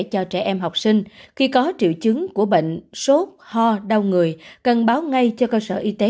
cho trẻ em học sinh khi có triệu chứng của bệnh sốt ho đau người cần báo ngay cho cơ sở y tế